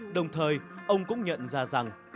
đồng thời ông cũng nhận ra rằng